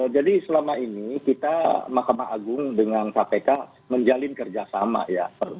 jadi selama ini kita mahkamah agung dengan kpk menjalin kerjasama ya